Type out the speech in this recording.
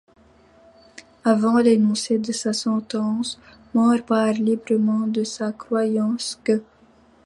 Avant l'énoncé de sa sentence, More parle librement de sa croyance qu'.